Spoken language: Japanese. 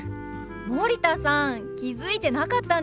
森田さん気付いてなかったんですか？